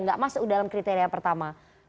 tidak masuk dalam kriteria pertama